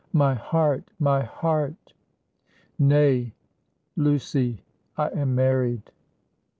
"My heart! my heart!" "Nay; Lucy, I am married."